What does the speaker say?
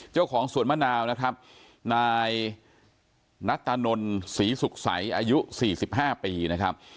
เจ้าของสวนมะนาวนะครับนายนัตตานนศรีสุขใสอายุ๔๕ปีนะครับ